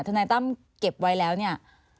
นายตั้มเก็บไว้แล้วเนี่ย